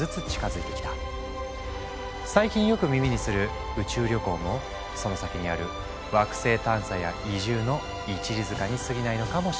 最近よく耳にする宇宙旅行もその先にある惑星探査や移住の一里塚にすぎないのかもしれない。